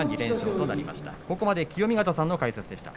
ここまで清見潟さんの解説でした。